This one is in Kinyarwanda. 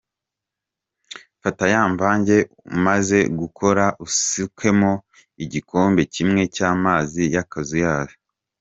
Fata ya mvange umaze gukora, usukemo igikombe kimwe cy’amazi y’akazuyazi.